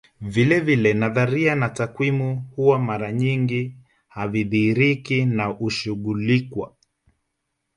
Vilevile nadharia na takwimu huwa mara nyingi havidhihiriki na hushughulikwa